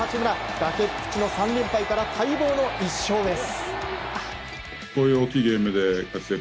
崖っぷちの３連敗から待望の１勝です。